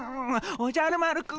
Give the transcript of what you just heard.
おじゃる丸くん。